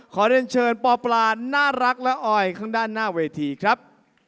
ขอเรียนเชิญปปลาน่ารักและออยข้างด้านหน้าเวทีครับ